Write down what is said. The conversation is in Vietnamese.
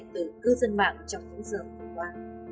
từ cư dân mạng trong những giờ vừa qua